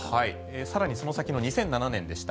さらにその先２００７年でした。